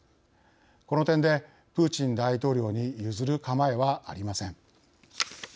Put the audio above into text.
この点でプーチン大統領に譲る構えはありません。